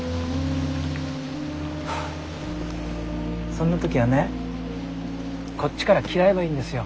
そんな時はねこっちから嫌えばいいんですよ。